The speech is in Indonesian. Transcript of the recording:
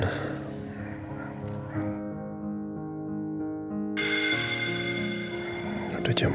dia sudah jam lima